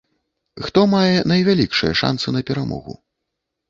Хто мае найвялікшыя шанцы на перамогу?